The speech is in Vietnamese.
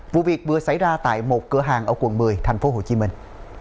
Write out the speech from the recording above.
vụ việc vừa xảy ra tại một cửa hàng ở quận một mươi thành phố hồ chí minh